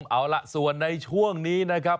เอาล่ะส่วนในช่วงนี้นะครับ